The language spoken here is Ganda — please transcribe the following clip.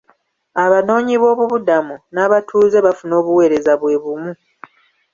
Abanoonyi b'obubuddamu n'abatuuze bafuna obuweereza bwe bumu.